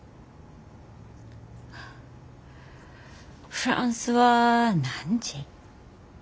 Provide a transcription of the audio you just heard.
フランスは何時？